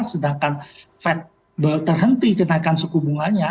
sedangkan fed terhenti kenaikan suku bunganya